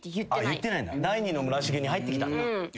第二の村重に入ってきたんだ。